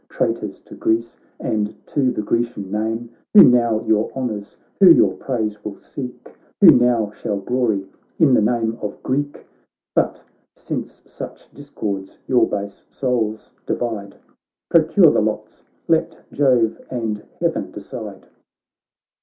Traitors to Greece and to the Grecian name ! Who now your honours, who your praise will seek ? Who now shall glory in the name of Greek ? But since such discords your base souls divide. Procure the lots, let Jove and Heaven decide.'